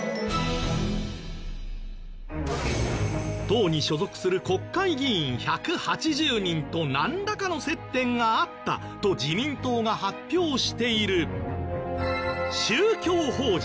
党に所属する国会議員１８０人となんらかの接点があったと自民党が発表している。